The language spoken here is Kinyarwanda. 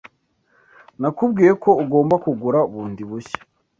Nakubwiye ko ugomba kugura bundi bushya.